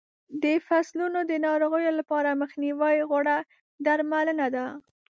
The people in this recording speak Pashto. د فصلونو د ناروغیو لپاره مخنیوی غوره درملنه ده.